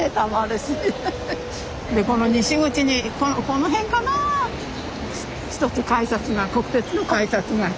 でこの西口にこの辺かな１つ改札が国鉄の改札があって。